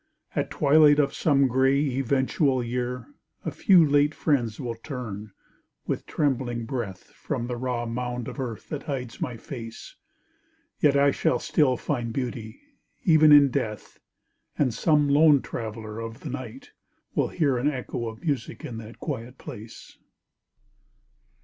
At twilight of some gray, eventual year, A few late friends will turn, with trembling breath, From the raw mound of earth that hides my face.... Yet I shall still find beauty, even in death, And some lone traveller of the night will hear An echo of music in that quiet place.